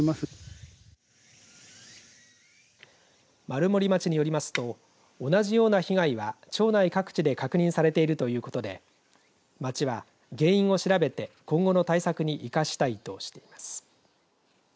丸森町によりますと同じような被害は、町内各地で確認されているということで町は原因を調べて今後の対策に生かしたいとしています。